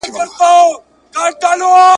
زما په برخه به نن ولي دا ژړاوای !.